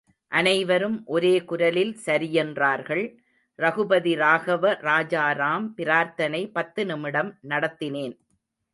அனைவரும் ஒரே குரலில் சரியென்றார்கள், ரகுபதிராகவ ராஜாராம் பிரார்த்தனை பத்து நிமிடம் நடத்தினேன்.